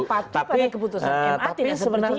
patuh pada keputusan ma tidak seperti itu